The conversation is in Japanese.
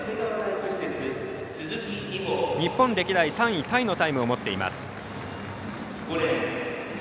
日本歴代３位タイのタイムを持っています。